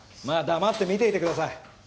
まあ黙って見ていてください。